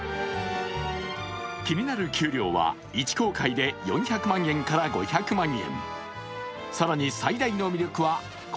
気になる給料は１航海で４００万円から５００万円。